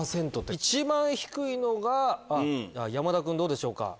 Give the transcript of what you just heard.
一番低いのが山田君どうでしょうか？